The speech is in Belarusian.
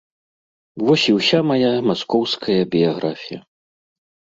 Вось і ўся мая маскоўская біяграфія.